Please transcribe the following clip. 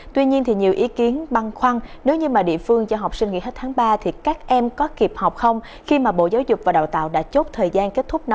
tuy nhiên thì nhiều ý kiến băng khoăn nếu như mà địa phương cho học sinh nghỉ hết tháng ba thì các em có kịp học không khi mà bộ giáo dục và đào tạo đã chốt thời gian